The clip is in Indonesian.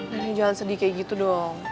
nenek jangan sedih kayak gitu dong